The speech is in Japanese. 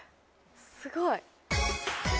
すごい！